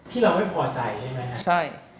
ที่เราไม่พอใจใช่ไหมครับ